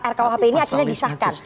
rkuhp ini akhirnya disahkan